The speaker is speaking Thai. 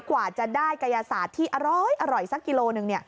กว่าจะได้กายศาสตร์ที่อร้อยสักกิโลหนึ่ง